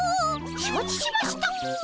承知しました。